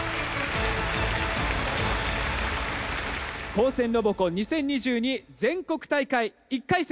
「高専ロボコン２０２２全国大会」１回戦。